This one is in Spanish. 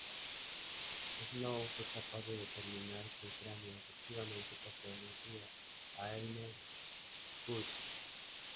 Snow fue capaz de determinar que el cráneo efectivamente pertenecía a Elmer McCurdy.